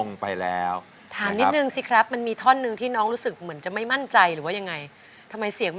กลับเถิดคนดี